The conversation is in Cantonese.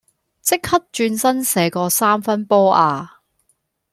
即刻轉身射個三分波呀